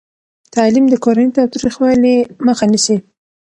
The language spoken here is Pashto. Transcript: تعلیم د کورني تاوتریخوالي مخه نیسي.